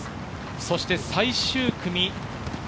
そして最終組。